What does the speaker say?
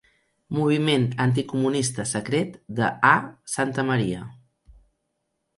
Moviment anticomunista secret de A. Santamaria.